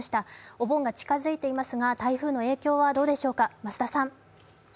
お盆が近づいていますが、台風の影響はどうでしょうか。